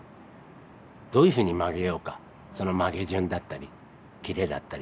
どういうふうに曲げようかその曲げ順だったり切れだったり。